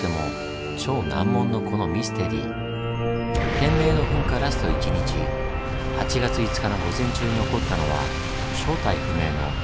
天明の噴火ラスト１日８月５日の午前中に起こったのは正体不明の謎の大爆発だったんです。